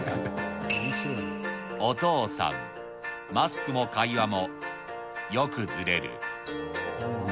お父さんマスクも会話もよくずれる。